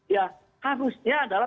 ya harusnya adalah